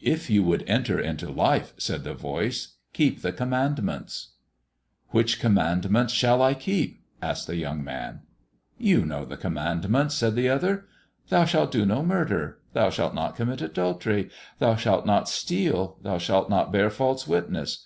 "If you would enter into life," said the Voice, "keep the Commandments." "Which Commandments shall I keep?" asked the young man. "You know the Commandments," said the Other. "Thou shalt do no murder. Thou shalt not commit adultery. Thou shalt not steal. Thou shalt not bear false witness.